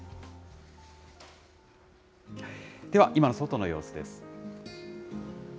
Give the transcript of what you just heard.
では今の外の様子です。